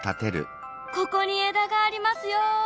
ここに枝がありますよ。